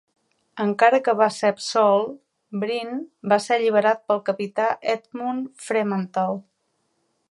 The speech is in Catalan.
Encara que va ser absolt, Brine va ser alliberat pel capità Edmund Fremantle.